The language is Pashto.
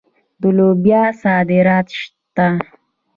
د لوبیا صادرات شته.